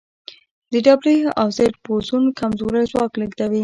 د ډبلیو او زیډ بوزون کمزوری ځواک لېږدوي.